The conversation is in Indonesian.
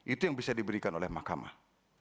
itu yang bisa diberikan oleh mahkamah